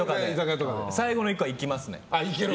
最後の１個はいきますね。